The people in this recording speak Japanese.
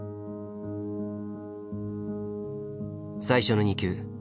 最初の２球。